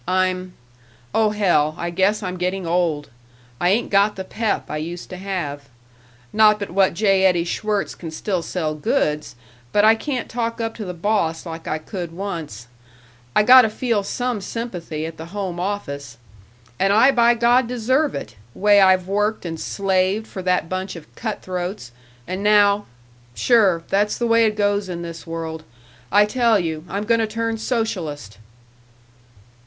I'm Oh, hell, I guess I'm getting old. I ain't got the pep I used to have. Not but what J. Eddie Schwirtz can still sell goods, but I can't talk up to the boss like I could once. I gotta feel some sympathy at the home office. And I by God deserve it way I've worked and slaved for that bunch of cutthroats, and now Sure, that's the way it goes in this world. I tell you, I'm gonna turn socialist!"